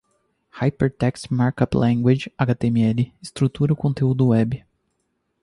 Hypertext Markup Language (HTML) estrutura o conteúdo web.